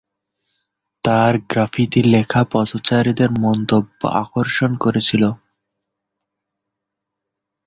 তার গ্রাফিতি লেখা পথচারীদের মন্তব্য আকর্ষণ করেছিল।